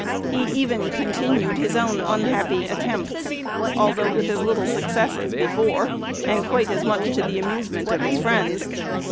He even continued his own unhappy attempts, although with as little success as before, and quite as much to the amusement of his friends.